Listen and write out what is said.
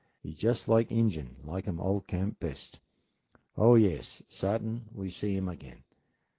He jus' like Injun, like um old camp best. Oh, yes, sartin we see um again."